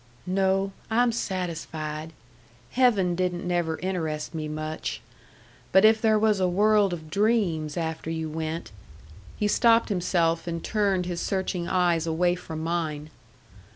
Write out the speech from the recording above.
"No, I'm satisfied. Heaven didn't never interest me much. But if there was a world of dreams after you went " He stopped himself and turned his searching eyes away from mine.